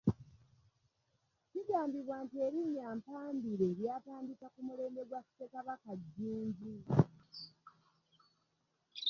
Kigambibwa nti erinnya 'Mpambire’ lyatandika ku mulembe gwa Ssekabaka Jjunju.